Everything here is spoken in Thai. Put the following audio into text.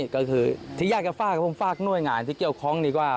ก็คือที่อยากจะฝากก็คงฝากหน่วยงานที่เกี่ยวข้องดีกว่า